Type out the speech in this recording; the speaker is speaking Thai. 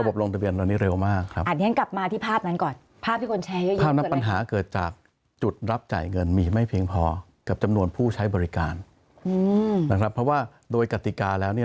เพราะฉะนั้นจะเรียกว่าล้มไม่ได้